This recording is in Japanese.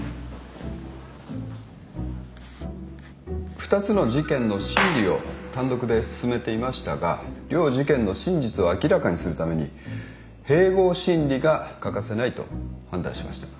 ２つの事件の審理を単独で進めていましたが両事件の真実を明らかにするために併合審理が欠かせないと判断しました。